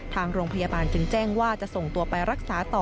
ทางโรงพยาบาลจึงแจ้งว่าจะส่งตัวไปรักษาต่อ